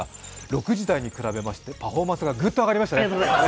６時台に比べましてパフォーマンスがグッと上がりましたね。